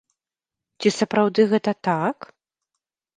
Ці сапраўды гэта так?